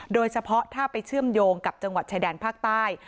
โดยเฉพาะถ้าไปเชื่อมโยงกับจังหวัดชายแดนภาคใต้